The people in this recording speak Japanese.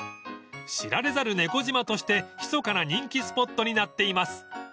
［知られざる猫島としてひそかな人気スポットになっています］